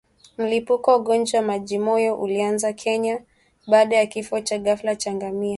Mlipuko wa ugonjwa wa majimoyo ulianzia Kenya baada ya kifo cha ghafla cha ngamia